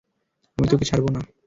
আমি তোকে ছাড়ব না।